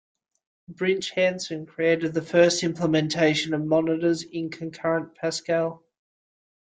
Brinch Hansen created the first implementation of monitors, in Concurrent Pascal.